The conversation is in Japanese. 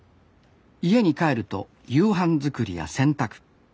家に帰ると夕飯作りや洗濯。